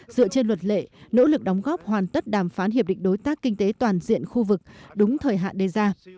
dựa trên luật lệ nỗ lực đóng góp hoàn tất đàm phán hiệp định đối tác kinh tế toàn diện khu vực đúng thời hạn đề ra